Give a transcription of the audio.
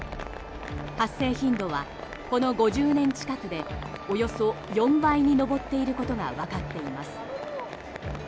発生頻度は、この５０年近くでおよそ４倍に上っていることが分かっています。